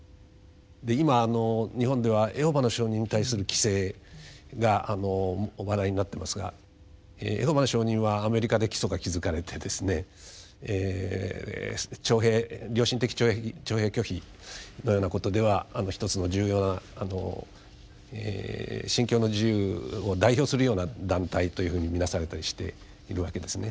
で今日本ではエホバの証人に対する規制が話題になってますがエホバの証人はアメリカで基礎が築かれてですねえ良心的徴兵拒否のようなことではひとつの重要な「信教の自由」を代表するような団体というふうに見なされたりしているわけですね。